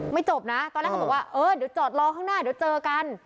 จบนะตอนแรกเขาบอกว่าเออเดี๋ยวจอดรอข้างหน้าเดี๋ยวเจอกัน